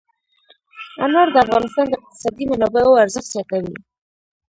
انار د افغانستان د اقتصادي منابعو ارزښت زیاتوي.